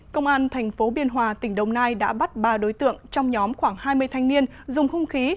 công an thành phố biên hòa tỉnh đồng nai đã bắt ba đối tượng trong nhóm khoảng hai mươi thanh niên dùng hung khí